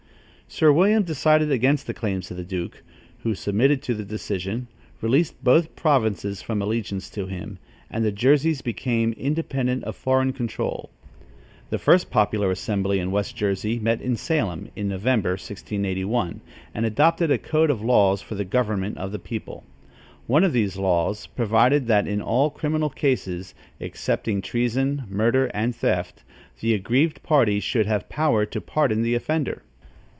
Sir William decided against the claims of the duke, who submitted to the decision, released both provinces from allegiance to him, and the Jerseys became independent of foreign control. The first popular assembly in West Jersey met at Salem, in November, 1681, and adopted a code of laws for the government of the people. One of these laws provided that in all criminal cases, excepting treason, murder and theft, the aggrieved party should have power to pardon the offender.